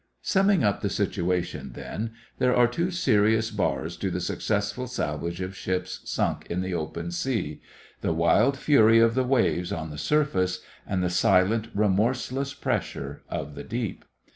Summing up the situation, then, there are two serious bars to the successful salvage of ships sunk in the open sea the wild fury of the waves on the surface; and the silent, remorseless pressure of the deep.